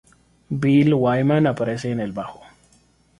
Bill Wyman aparece en el bajo.